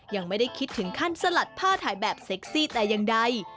ยังไม่ได้คิดถึงขั้นสลัดผ้าถ่ายแบบเซ็กซี่แต่อย่างใด